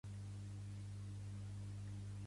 Softcatalà Diccionari de sinònims de català en línia